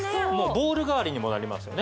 ボウル代わりにもなりますよね